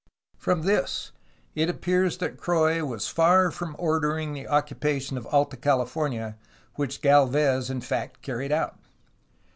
From this it appears that Croix was far from ordering the occupation of Alta California which Galvez in fact carried out.